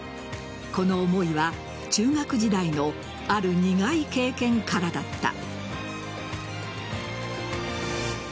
この思いは中学時代のある苦い経験からだった。